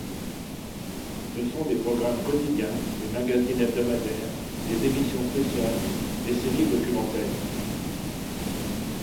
Ce sont des programmes quotidiens, des magazines hebdomadaires, des émissions spéciales, des séries documentaires.